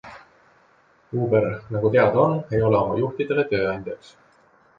Uber, nagu teada on, ei ole oma juhtidele tööandjaks.